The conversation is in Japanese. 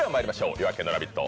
「夜明けのラヴィット！」